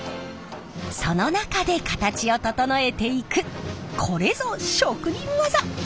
その中で形を整えていくこれぞ職人技！